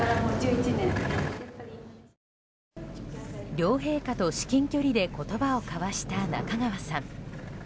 両陛下と至近距離で言葉を交わした仲川さん。